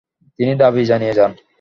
তিনি দাবি জানিয়ে যান।